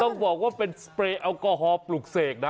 ต้องบอกว่าเป็นสเปรย์แอลกอฮอล์ปลูกเสกนะ